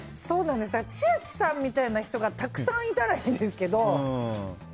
千秋さんみたいな人がたくさんいたらいいんですけど。